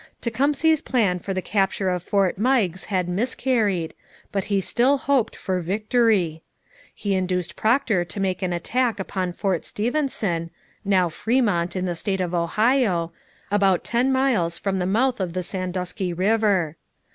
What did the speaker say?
Tecumseh's plan for the capture of Fort Meigs had miscarried, but he still hoped for victory. He induced Procter to make an attack upon Fort Stephenson (now Fremont in the state of Ohio), about ten miles from the mouth of the Sandusky river.